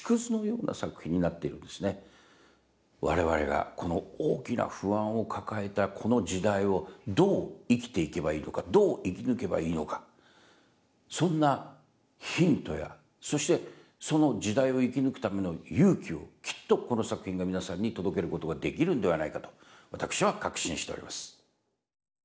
我々がこの大きな不安を抱えたこの時代をどう生きていけばいいのかどう生き抜けばいいのかそんなヒントやそしてその時代を生き抜くための勇気をきっとこの作品が皆さんに届けることができるんではないかと私は確信しております。